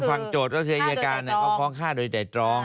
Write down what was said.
ฝั่งโจทย์ก็คืออัยการเขาฟ้องฆ่าโดยไตรอง